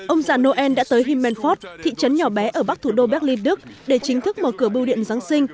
ông giả noel đã tới himmelfort thị trấn nhỏ bé ở bắc thủ đô berlin đức để chính thức mở cửa bưu điện dự